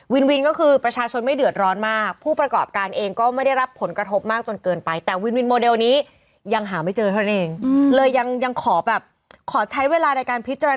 วินวินก็คือประชาชนไม่เดือดร้อนมาก